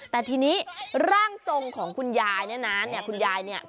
แต่ทีนี้ร่างทรงของคุณยายเนี่ยนะเนี่ยคุณยายเนี่ย